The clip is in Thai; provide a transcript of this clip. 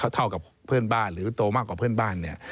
เท่ากับเพื่อนบ้านหรือโตมากกว่าเพื่อนบ้านเนี่ย